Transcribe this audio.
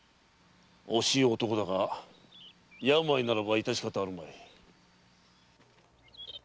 惜しい男だが病ならば致し方あるまい。